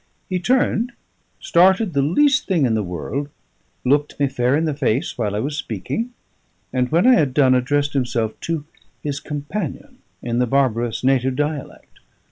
He turned, started the least thing in the world, looked me fair in the face while I was speaking, and when I had done addressed himself to his companion in the barbarous native dialect.